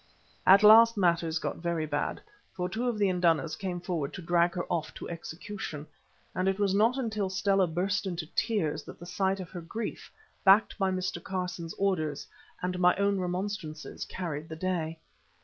At last matters got very bad, for two of the Indunas came forward to drag her off to execution, and it was not until Stella burst into tears that the sight of her grief, backed by Mr. Carson's orders and my own remonstrances, carried the day.